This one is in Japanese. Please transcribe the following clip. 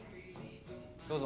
どうぞ。